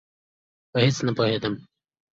په هېڅ نه پوهېدم.